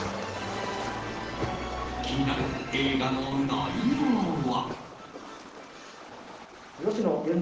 気になる映画の内容は。